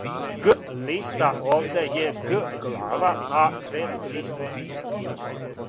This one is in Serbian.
г листа , овде је г глава а реп листа.